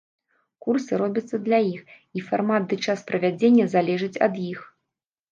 Курсы робяцца для іх, і фармат ды час правядзення залежыць ад іх.